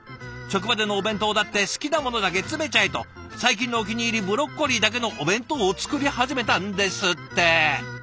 職場でのお弁当だって好きなものだけ詰めちゃえと最近のお気に入りブロッコリーだけのお弁当を作り始めたんですって。